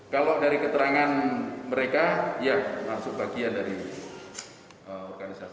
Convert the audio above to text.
kalau dari keterangan mereka ya masuk bagian dari organisasi